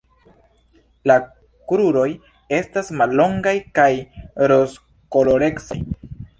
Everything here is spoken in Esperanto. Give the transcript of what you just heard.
La kruroj estas mallongaj kaj rozkolorecaj.